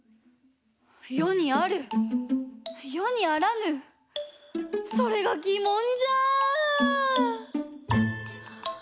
世に在る世に在らぬそれが疑問ぢゃ！